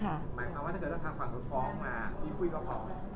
หมายความว่าถ้าเกิดว่าทางฝั่งนู้นฟ้องมาพี่ปุ้ยก็ฟ้อง